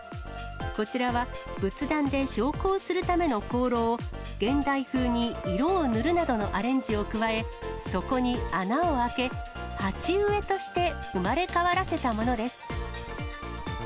こちらは、仏壇で焼香するための香炉を、現代風に色を塗るなどのアレンジを加え、底に穴を開け、鉢植えとして生まれ変わらせたものです。